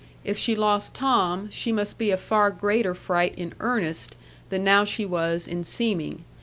if she lost Tom, she must be a far greater fright in earnest, than now she was in seeming.